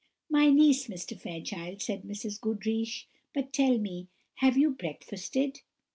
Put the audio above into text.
"My niece, Mr. Fairchild," said Mrs. Goodriche; "but tell me, have you breakfasted?"